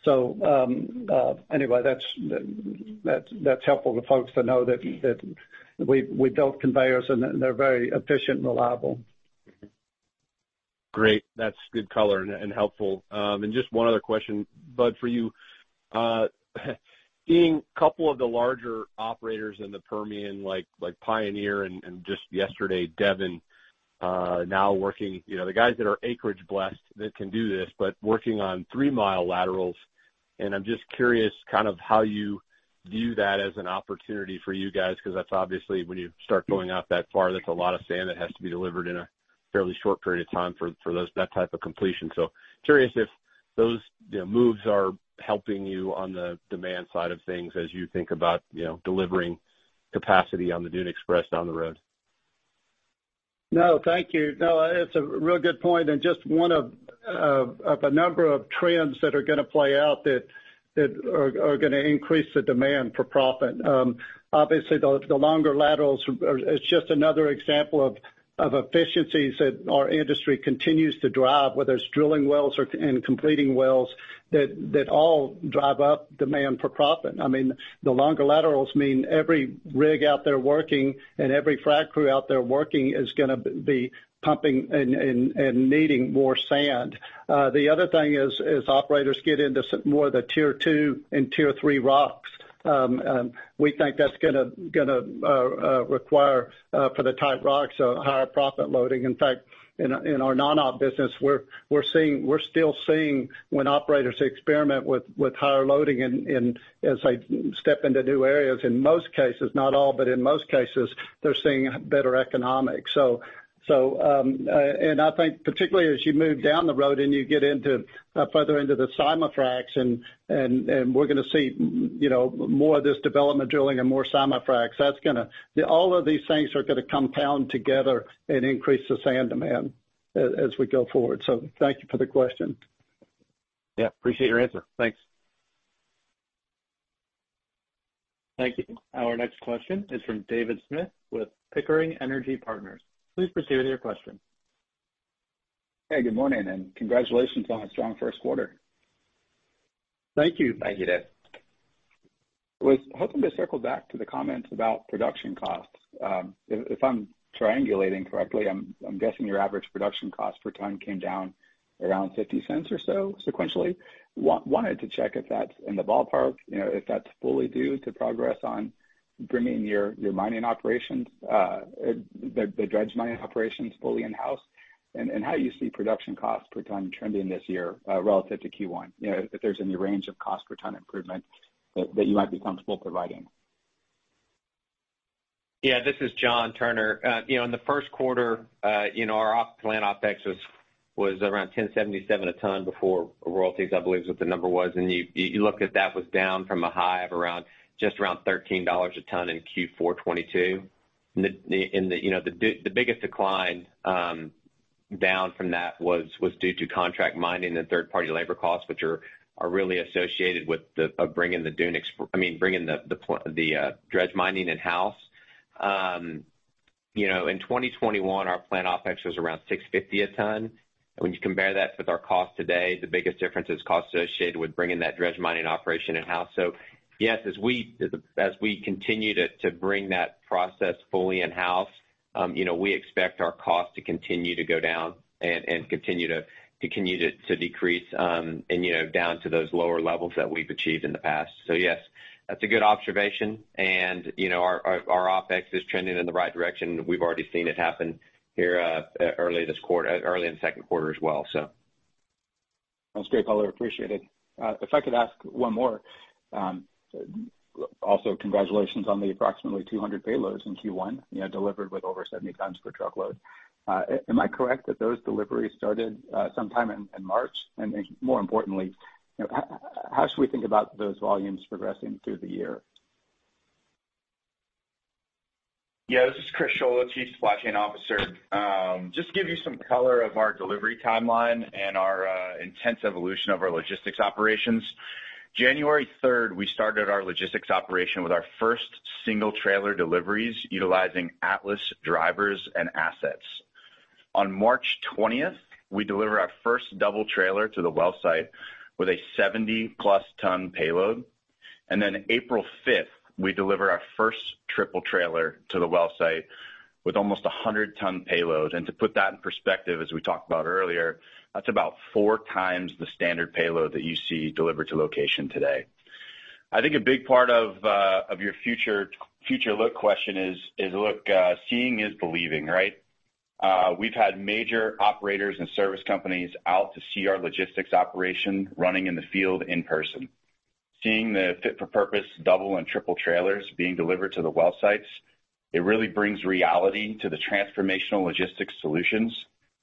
Anyway, that's helpful to folks to know that we built conveyors and they're very efficient and reliable. Great. That's good color and helpful. Just one other question, Bud, for you. Seeing a couple of the larger operators in the Permian like Pioneer and just yesterday, Devon, now working, the guys that are acreage blessed that can do this, but working on three-mile laterals. I'm just curious kind of how you view that as an opportunity for you guys, because that's obviously, when you start going out that far, that's a lot of sand that has to be delivered in a fairly short period of time for that type of completion. Curious if those moves are helping you on the demand side of things as you think about delivering capacity on the Dune Express down the road. No, thank you. No, it's a real good point. Just one of a number of trends that are gonna play out that are gonna increase the demand for proppant. Obviously, the longer laterals. It's just another example of efficiencies that our industry continues to drive, whether it's drilling wells and completing wells that all drive up demand for proppant. I mean, the longer laterals mean every rig out there working and every frac crew out there working is gonna be pumping and needing more sand. The other thing is, as operators get into more of the tier two and tier three rocks, we think that's gonna require for the tight rocks higher proppant loading. In fact, in our non-op business, we're still seeing when operators experiment with higher loading and as they step into new areas, in most cases, not all, but in most cases, they're seeing better economics. I think particularly as you move down the road and you get into further into the simul-fracs and we're gonna see, you know, more of this development drilling and more simul-fracs, All of these things are gonna compound together and increase the sand demand as we go forward. Thank you for the question. Yeah, appreciate your answer. Thanks. Thank you. Our next question is from David Smith with Pickering Energy Partners. Please proceed with your question. Hey, good morning, and congratulations on a strong first quarter. Thank you. Thank you, David. Was hoping to circle back to the comments about production costs. If I'm triangulating correctly, I'm guessing your average production cost per ton came down around $0.50 or so sequentially. Wanted to check if that's in the ballpark, you know, if that's fully due to progress on bringing your mining operations, the dredge mining operations fully in-house, and how you see production costs per ton trending this year relative to Q1. You know, if there's any range of cost per ton improvement that you might be comfortable providing. Yeah, this is John Turner. you know, in the first quarter, you know, our plant OpEx was around $10.77 a ton before royalties, I believe is what the number was. you look at that was down from a high of around just around $13 a ton in Q4 2022. the biggest decline down from that was due to contract mining and third-party labor costs, which are really associated with bringing the dredge mining in-house. you know, in 2021, our plant OpEx was around $6.50 a ton. When you compare that with our cost today, the biggest difference is cost associated with bringing that dredge mining operation in-house. Yes, as we continue to bring that process fully in-house. You know, we expect our cost to continue to go down and continue to continue to decrease, and, you know, down to those lower levels that we've achieved in the past. Yes, that's a good observation. You know, our, our OpEx is trending in the right direction. We've already seen it happen here, early this quarter, early in the second quarter as well. That's great, color. I appreciate it. If I could ask one more? Also congratulations on the approximately 200 payloads in Q1, you know, delivered with over 70 tons per truckload. Am I correct that those deliveries started sometime in March? More importantly, you know, how should we think about those volumes progressing through the year? Yeah, this is Chris Scholla, Chief Supply Chain Officer. just to give you some color of our delivery timeline and our intense evolution of our logistics operations. January 3rd, we started our logistics operation with our first single trailer deliveries utilizing Atlas drivers and assets. On March 20th, we delivered our first double trailer to the well site with a 70+ ton payload. April fifth, we delivered our first triple trailer to the well site with almost a 100-ton payload. To put that in perspective, as we talked about earlier, that's about 4x the standard payload that you see delivered to location today. I think a big part of your future look question is look, seeing is believing, right? We've had major operators and service companies out to see our logistics operation running in the field in person. Seeing the fit for purpose double and triple trailers being delivered to the well sites, it really brings reality to the transformational logistics solutions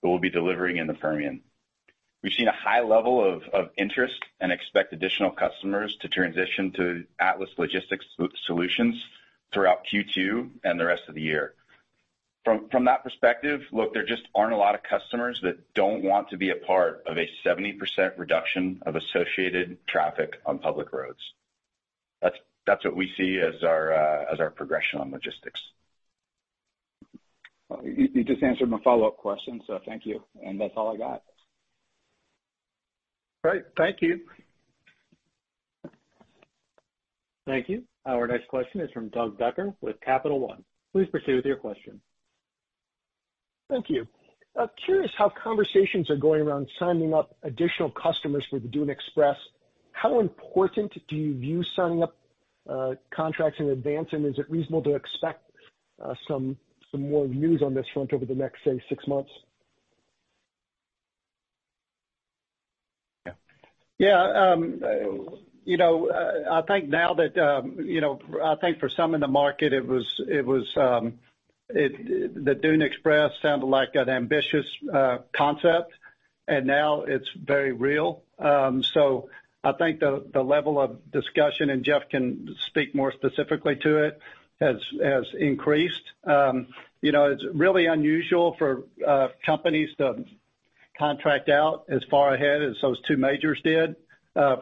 that we'll be delivering in the Permian. We've seen a high level of interest and expect additional customers to transition to Atlas logistics solutions throughout Q2 and the rest of the year. From that perspective, look, there just aren't a lot of customers that don't want to be a part of a 70% reduction of associated traffic on public roads. That's what we see as our as our progression on logistics. You just answered my follow-up question. Thank you. That's all I got. Great. Thank you. Thank you. Our next question is from Doug Whitaker with Capital One. Please proceed with your question. Thank you. I'm curious how conversations are going around signing up additional customers for the Dune Express. How important do you view signing up contracts in advance, and is it reasonable to expect some more news on this front over the next, say, six months? Yeah. You know, I think now that, you know, I think for some in the market, it was, it was, the Dune Express sounded like an ambitious concept, and now it's very real. I think the level of discussion, and Jeff can speak more specifically to it, has increased. You know, it's really unusual for companies to contract out as far ahead as those two majors did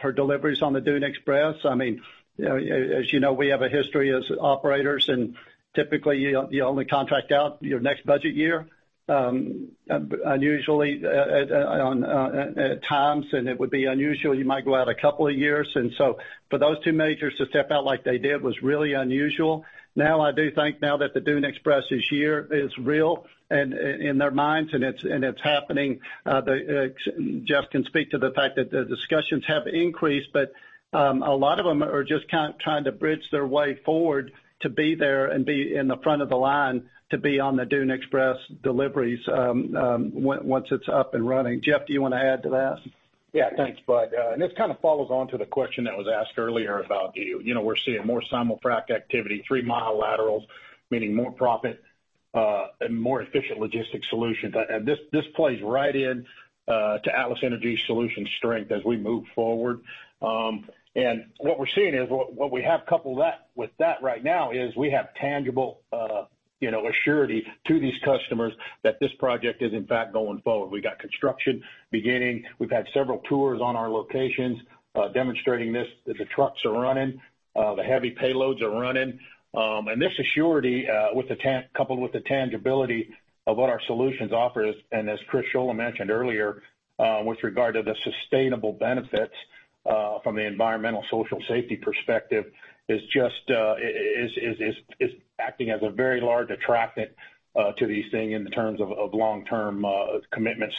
for deliveries on the Dune Express. I mean, you know, as you know, we have a history as operators, and typically, you only contract out your next budget year. Unusually, at times, and it would be unusual, you might go out a couple of years. For those two majors to step out like they did was really unusual. I do think now that the Dune Express is here, it's real and in their minds and it's happening. Jeff can speak to the fact that the discussions have increased, a lot of them are just kind of trying to bridge their way forward to be there and be in the front of the line to be on the Dune Express deliveries once it's up and running. Jeff, do you wanna add to that? Yeah. Thanks, Bud. This kind of follows on to the question that was asked earlier about the, you know, we're seeing more simul-frac activity, 3-mile laterals, meaning more proppant, and more efficient logistics solutions. This, this plays right in to Atlas Energy Solutions strength as we move forward. What we're seeing is what we have coupled that with that right now is we have tangible, you know, assurance to these customers that this project is in fact going forward. We got construction beginning. We've had several tours on our locations, demonstrating this, that the trucks are running, the heavy payloads are running. This assurity, coupled with the tangibility of what our solutions offer is, and as Chris Scholla mentioned earlier, with regard to the sustainable benefits, from the environmental social safety perspective, is just acting as a very large attractant, to these thing in terms of long-term, commitment.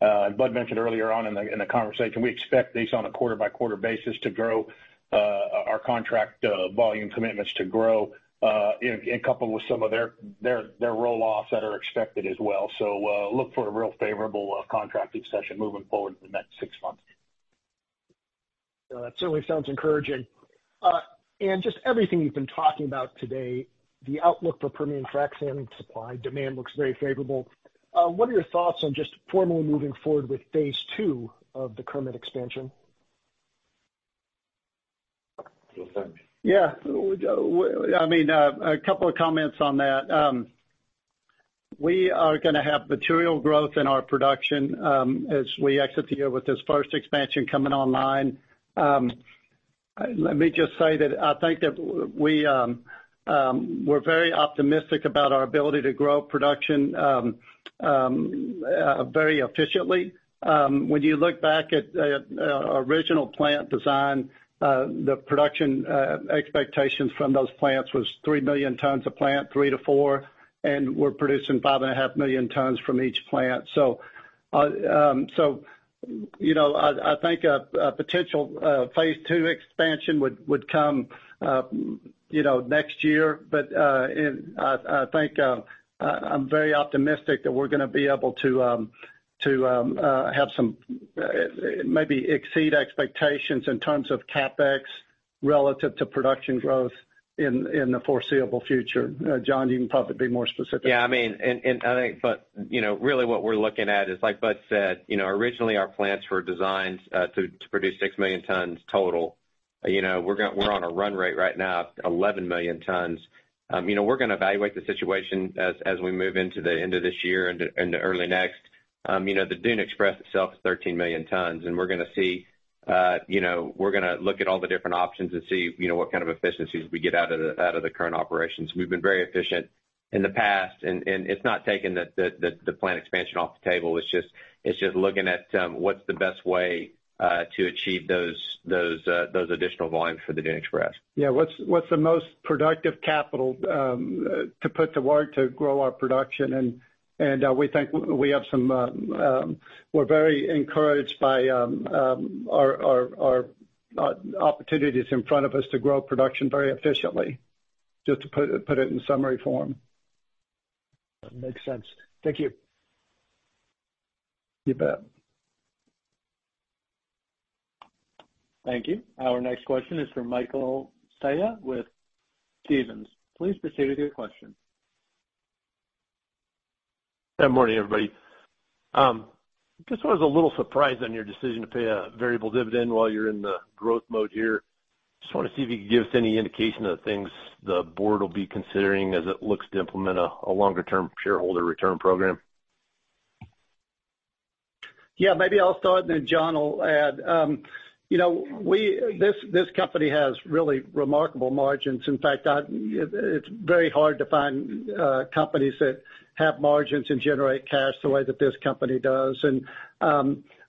Bud mentioned earlier on in the conversation, we expect these on a quarter by quarter basis to grow, our contract, volume commitments to grow, you know, and coupled with some of their roll-offs that are expected as well. Look for a real favorable, contracting session moving forward in the next 6 months. That certainly sounds encouraging. Just everything you've been talking about today, the outlook for Permian frac sand supply, demand looks very favorable. What are your thoughts on just formally moving forward with phase 2 of the Kermit expansion? I mean, a couple of comments on that. We are gonna have material growth in our production as we exit the year with this first expansion coming online. Let me just say that I think that we're very optimistic about our ability to grow production very efficiently. When you look back at our original plant design, the production expectations from those plants was 3 million tons a plant, 3 million-4 million, and we're producing 5.5 million tons from each plant. You know, I think a potential phase two expansion would come, you know, next year. I think I'm very optimistic that we're gonna be able to have some... Maybe exceed expectations in terms of CapEx relative to production growth in the foreseeable future. John, you can probably be more specific. Yeah, I mean, and I think, but, you know, really what we're looking at is, like Bud said, you know, originally our plants were designed to produce 6 million tons total. You know, we're on a run rate right now of 11 million tons. You know, we're gonna evaluate the situation as we move into the end of this year and early next. You know, the Dune Express itself is 13 million tons, we're gonna see, you know, we're gonna look at all the different options and see, you know, what kind of efficiencies we get out of the current operations. We've been very efficient in the past, and it's not taking the plant expansion off the table. It's just looking at what's the best way to achieve those additional volumes for the Dune Express. Yeah, what's the most productive capital to put to work to grow our production? We think we have some, we're very encouraged by our opportunities in front of us to grow production very efficiently, just to put it in summary form. Makes sense. Thank you. You bet. Thank you. Our next question is from Michael Scialla with Stephens. Please proceed with your question. Good morning, everybody. Just was a little surprised on your decision to pay a variable dividend while you're in the growth mode here. Just want to see if you can give us any indication of things the board will be considering as it looks to implement a longer term shareholder return program? Yeah, maybe I'll start and then John will add. You know, this company has really remarkable margins. In fact, it's very hard to find companies that have margins and generate cash the way that this company does.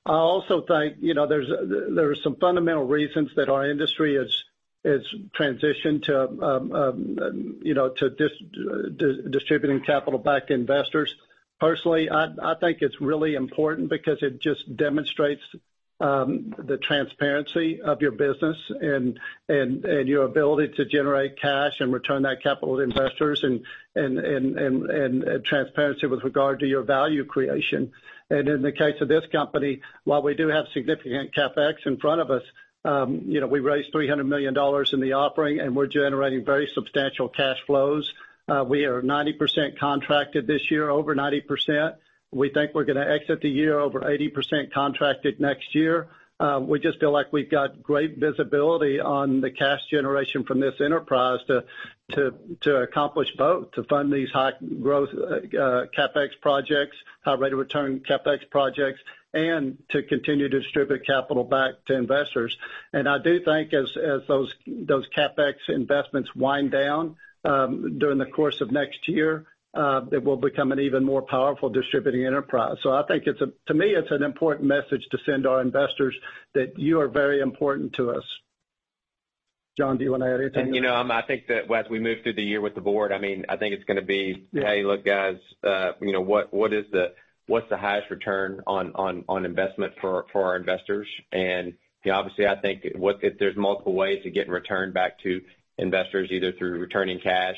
I also think, you know, there's some fundamental reasons that our industry has transitioned to, you know, to distributing capital back to investors. Personally, I think it's really important because it just demonstrates the transparency of your business and your ability to generate cash and return that capital to investors and transparency with regard to your value creation. In the case of this company, while we do have significant CapEx in front of us, you know, we raised $300 million in the offering, and we're generating very substantial cash flows. We are 90% contracted this year, over 90%. We think we're gonna exit the year over 80% contracted next year. We just feel like we've got great visibility on the cash generation from this enterprise to accomplish both, to fund these high growth CapEx projects, high rate of return CapEx projects, and to continue to distribute capital back to investors. I do think as those CapEx investments wind down during the course of next year, it will become an even more powerful distributing enterprise. I think it's to me, it's an important message to send to our investors that you are very important to us. John, do you wanna add anything? You know, I think that as we move through the year with the board, I mean, I think it's gonna be, "Hey, look, guys, you know, what is the highest return on investment for our investors?" You know, obviously, I think there's multiple ways to get return back to investors, either through returning cash,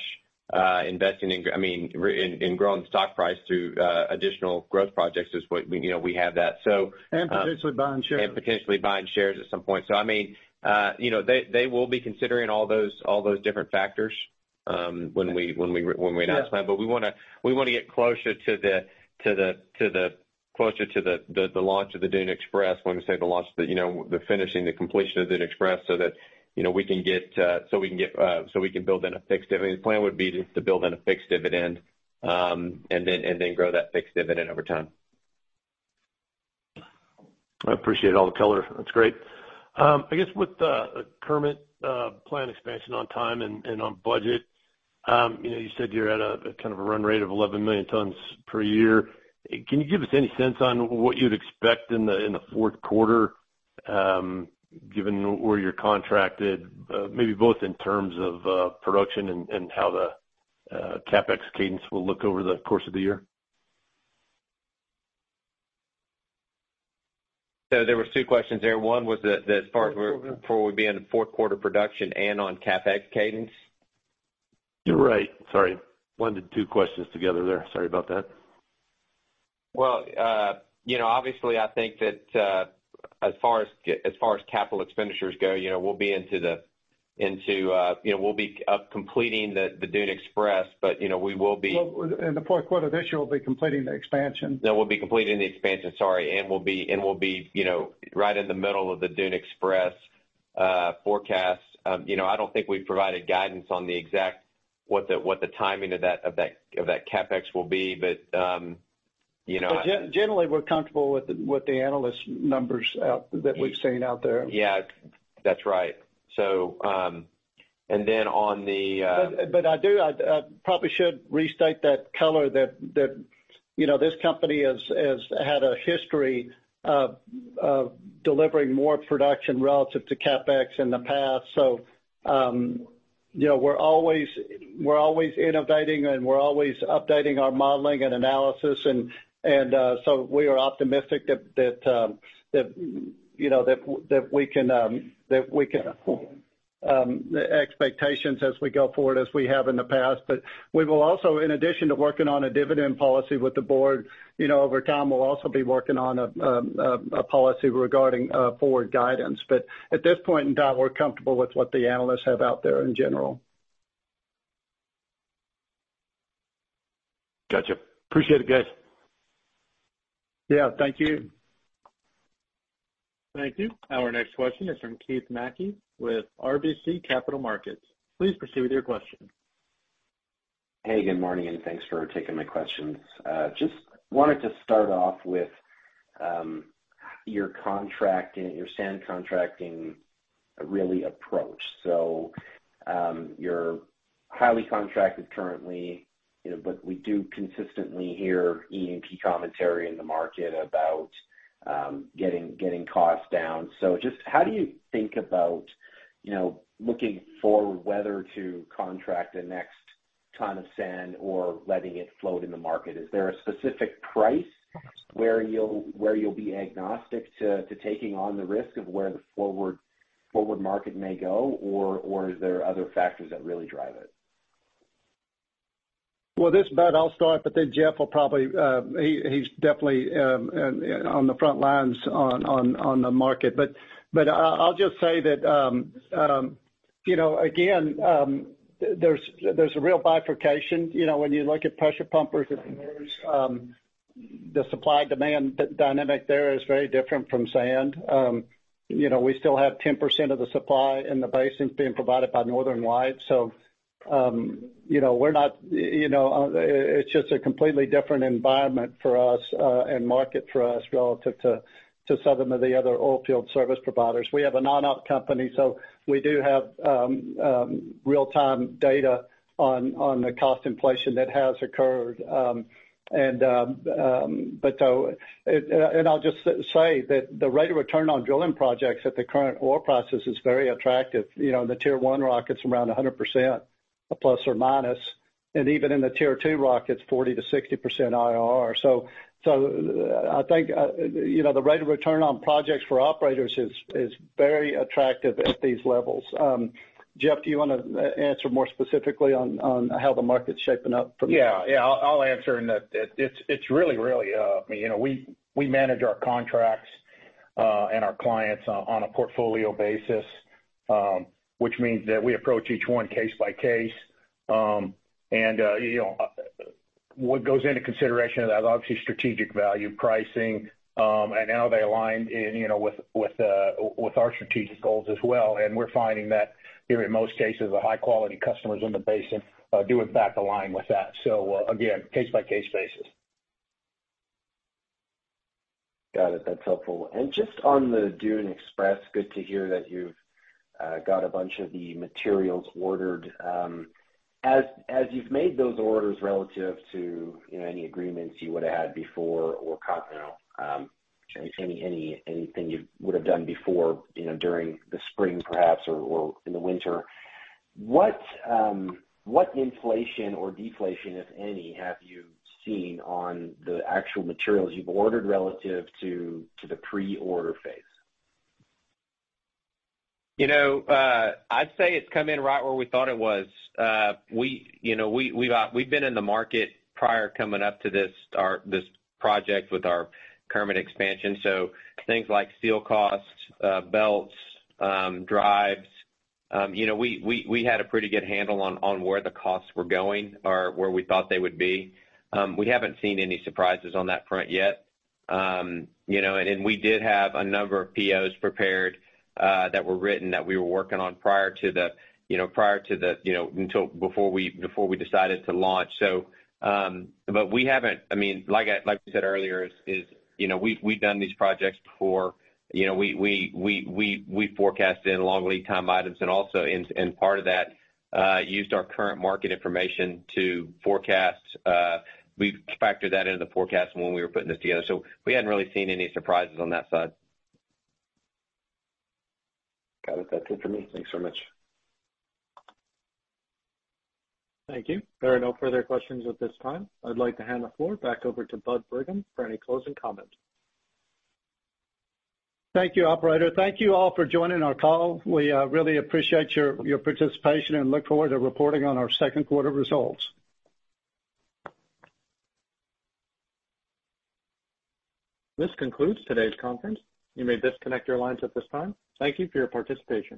investing in, I mean, in growing stock price through additional growth projects is what, you know, we have that. Potentially buying shares. Potentially buying shares at some point. I mean, you know, they will be considering all those different factors, when we announce that. Yeah. We wanna get closer to the launch of the Dune Express. When we say the launch, you know, the finishing, the completion of Dune Express so that, you know, we can get so we can build in a fixed dividend. The plan would be to build in a fixed dividend, and then grow that fixed dividend over time. I appreciate all the color. That's great. I guess with the Kermit plant expansion on time and on budget, you know, you said you're at a kind of a run rate of 11 million tons per year. Can you give us any sense on what you'd expect in the fourth quarter, given where you're contracted, maybe both in terms of production and how the CapEx cadence will look over the course of the year? There was two questions there. One was the far as before we be in fourth quarter production and on CapEx cadence. You're right. Sorry, blended two questions together there. Sorry about that. You know, obviously, I think that, as far as capital expenditures go, you know, we'll be into the, you know, we'll be completing the Dune Express, but, you know. Well, in the fourth quarter of this year, we'll be completing the expansion. Yeah, we'll be completing the expansion, sorry, and we'll be, you know, right in the middle of the Dune Express forecast. You know, I don't think we've provided guidance on the exact what the timing of that CapEx will be. You know. Generally, we're comfortable with the analyst numbers out, that we've seen out there. Yeah. That's right. on the I do, I probably should restate that color that, you know, this company has had a history of delivering more production relative to CapEx in the past. You know, we're always innovating, and we're always updating our modeling and analysis and so we are optimistic that, you know, that we can, that we can expectations as we go forward as we have in the past. We will also, in addition to working on a dividend policy with the board, you know, over time, we'll also be working on a policy regarding forward guidance. At this point in time, we're comfortable with what the analysts have out there in general. Gotcha. Appreciate it, guys. Yeah, thank you. Thank you. Our next question is from Keith Mackey with RBC Capital Markets. Please proceed with your question. Good morning, and thanks for taking my questions. just wanted to start off with your contract and your sand contracting, really approach. You're highly contracted currently, you know, but we do consistently hear E&P commentary in the market about getting costs down. Just how do you think about, you know, looking for whether to contract the next ton of sand or letting it float in the market? Is there a specific price where you'll be agnostic to taking on the risk of where the forward market may go? Or is there other factors that really drive it? Well, this Bud, I'll start. Jeff will probably. He's definitely on the front lines on the market. I'll just say that, you know, again, there's a real bifurcation, you know, when you look at pressure pumpers, the supply demand dynamic there is very different from sand. You know, we still have 10% of the supply in the basin being provided by Northern White. You know, it's just a completely different environment for us and market for us relative to some of the other oilfield service providers. We have a non-op company. We do have real-time data on the cost inflation that has occurred. I'll just say that the rate of return on drilling projects at the current oil prices is very attractive. You know, the tier one rockets around 100%, plus or minus. Even in the tier two rockets, 40%-60% IRR. I think, you know, the rate of return on projects for operators is very attractive at these levels. Jeff, do you wanna answer more specifically on how the market's shaping up for you? Yeah. Yeah. I'll answer in that it's really, you know, we manage our contracts and our clients on a portfolio basis, which means that we approach each one case by case. You know, what goes into consideration of that, obviously, strategic value pricing, and how they align in, you know, with our strategic goals as well. We're finding that here, in most cases, the high-quality customers in the basin, do in fact align with that. Again, case by case basis. Got it. That's helpful. Just on the Dune Express, good to hear that you've got a bunch of the materials ordered. As you've made those orders relative to, you know, any agreements you would've had before or caught now, anything you would have done before, you know, during the spring perhaps or in the winter, what inflation or deflation, if any, have you seen on the actual materials you've ordered relative to the pre-order phase? You know, I'd say it's come in right where we thought it was. We, you know, we've been in the market prior coming up to this, our, this project with our current expansion. Things like steel costs, belts, drives, you know, we had a pretty good handle on where the costs were going or where we thought they would be. We haven't seen any surprises on that front yet. You know, and then we did have a number of POs prepared, that were written that we were working on prior to the, you know, until before we decided to launch. We haven't. I mean, like I, like we said earlier is, you know, we've done these projects before. You know, we forecasted long lead time items and also in part of that, used our current market information to forecast. We factored that into the forecast when we were putting this together, so we hadn't really seen any surprises on that side. Got it. That's it for me. Thanks so much. Thank you. There are no further questions at this time. I'd like to hand the floor back over to Bud Brigham for any closing comments. Thank you, operator. Thank you all for joining our call. We really appreciate your participation and look forward to reporting on our second quarter results. This concludes today's conference. You may disconnect your lines at this time. Thank you for your participation.